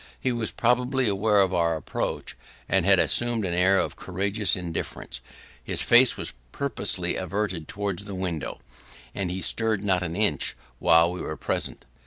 He was probably aware of our approach, and had assumed an air of courageous indifference; his face was purposely averted towards the window, and he stirred not an inch while we were present.